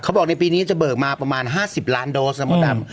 บอกในปีนี้จะเบิกมาประมาณ๕๐ล้านโดสนะมดดำ